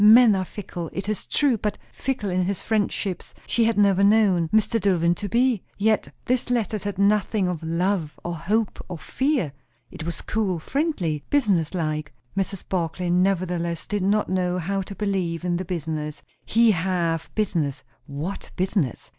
Men are fickle, it is true; but fickle in his friendships she had never known Mr. Dillwyn to be. Yet this letter said nothing of love, or hope, or fear; it was cool, friendly, business like. Mrs. Barclay nevertheless did not know how to believe in the business. He have business! What business?